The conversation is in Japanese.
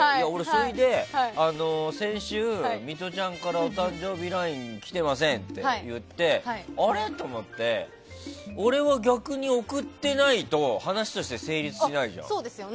それで先週、ミトちゃんから誕生日ＬＩＮＥが来てませんって言ってあれ？と思って俺が、逆に送ってないと話として成立しないじゃん。